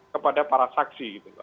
kepada para saksi